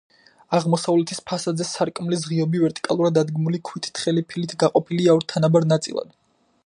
აღმოსავლეთის ფასადზე სარკმლის ღიობი ვერტიკალურად დადგმული ქვით თხელი ფილით გაყოფილია ორ თანაბარ ნაწილად.